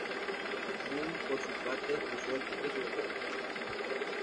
Moon, por su parte, destrozó el kit de su batería.